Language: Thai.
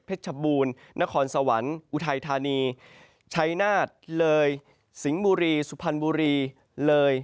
ชบูรณ์นครสวรรค์อุทัยธานีชัยนาฏเลยสิงห์บุรีสุพรรณบุรีเลย